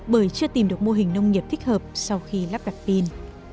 bởi chưa tìm được mô hình nông nghiệp thích hợp sau khi lắp đặt pin